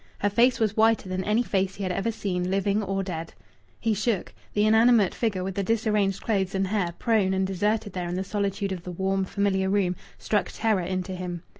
Her face was whiter than any face he had ever seen, living or dead. He shook; the inanimate figure with the disarranged clothes and hair, prone and deserted there in the solitude of the warm, familiar room, struck terror into him.